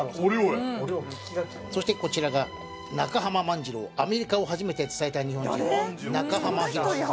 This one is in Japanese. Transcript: そしてこちらが『中濱万次郎−「アメリカ」を初めて伝えた日本人−』中濱博。